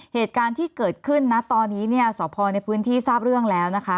เหตุการณ์ที่เกิดขึ้นนะตอนนี้เนี่ยสพในพื้นที่ทราบเรื่องแล้วนะคะ